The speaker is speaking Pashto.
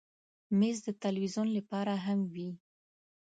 مېز د تلویزیون لپاره هم وي.